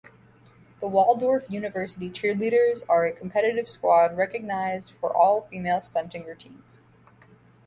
The Waldorf University Cheerleaders are a competitive squad recognized for all-female stunting routines.